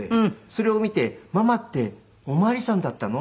それを見て「ママってお巡りさんだったの？」。